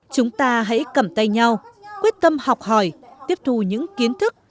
chúng ta hãy cầm tay nhau quyết tâm học hỏi tiếp thù những kiến thức